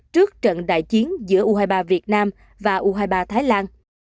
trước trận đại chiến giữa u hai mươi ba việt nam và u hai mươi ba thái lan